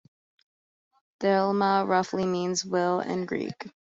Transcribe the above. Thelema roughly means "will" in Greek.